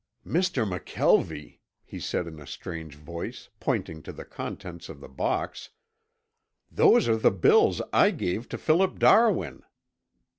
"Mr. McKelvie," he said in a strange voice, pointing to the contents of the box, "those are the bills I gave to Philip Darwin!"